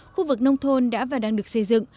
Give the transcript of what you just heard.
khu vực nông thôn đã và đang được xây dựng